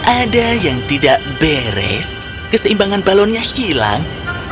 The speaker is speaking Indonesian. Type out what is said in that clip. ada yang tidak beres keseimbangan balonnya hilang